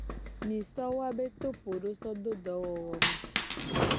Mi so woabe topodowo so do dowowome.